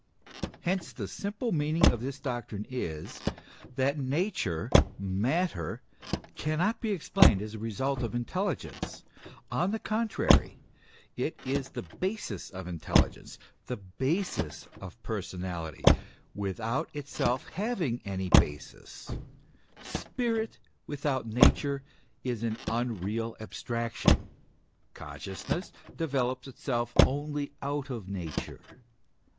Hence the simple meaning of this doctrine is, that Nature, Matter, cannot be explained as a result of intelligence ; on the contrary, it is the basis of intelligence, the basis of personality, without itself having any basis ; spirit without Nature is an unreal abstraction; consciousness developes itself only out of Nature.